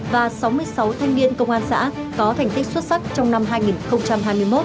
và sáu mươi sáu thanh niên công an xã có thành tích xuất sắc trong năm hai nghìn hai mươi một